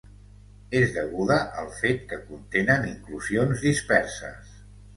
És deguda al fet que contenen inclusions disperses.